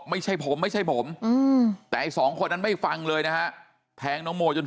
ไม่ใช่ผมไม่ใช่ผมแต่ไอ้สองคนนั้นไม่ฟังเลยนะฮะแทงน้องโมจน